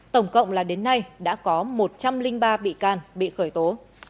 tổng cộng là đến nay đã có một trăm linh ba bị can bị khởi tố